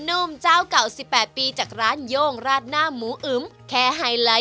นุ่มเจ้าเก่า๑๘ปีจากร้านโย่งราดหน้าหมูอึมแค่ไฮไลท์